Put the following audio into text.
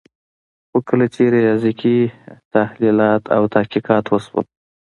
خو کله چي ریاضیکي تحلیلات او تحقیقات وسول